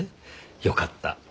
よかった。